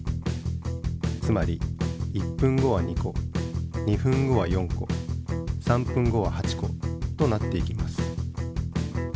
つまり１分後は２個２分後は４個３分後は８個となっていきます。